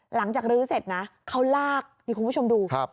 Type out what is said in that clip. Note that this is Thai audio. หลังจากลื้อเสร็จนะเขาลากนี่คุณผู้ชมดู